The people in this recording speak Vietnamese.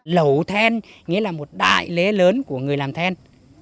lẩu then nghĩa là một đại lễ lớn của người làm then